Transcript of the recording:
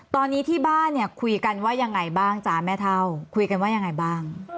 ตอนนี้ที่บ้านเนี่ยคุยกันว่ายังไงบ้างจ๊ะแม่เท่าคุยกันว่ายังไงบ้าง